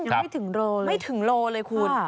ยังไม่ถึงโลเลยไม่ถึงโลเลยคุณ